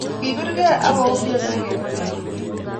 kibirgei ago umian angenam alak